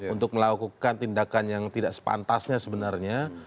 untuk melakukan tindakan yang tidak sepantasnya sebenarnya